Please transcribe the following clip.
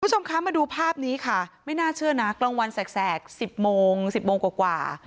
คุณผู้ชมคะมาดูภาพนี้ค่ะไม่น่าเชื่อนะกลางวันแสก๑๐โมง๑๐โมงกว่า